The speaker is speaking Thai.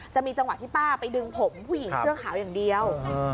จะมีจังหวะที่ป้าไปดึงผมผู้หญิงเสื้อขาวอย่างเดียว